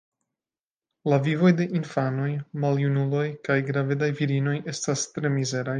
La vivoj de infanoj, maljunuloj kaj gravedaj virinoj estas tre mizeraj.